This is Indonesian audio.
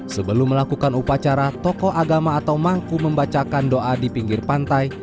sebelum melakukan upacara tokoh agama atau mangku membacakan doa di pinggir pantai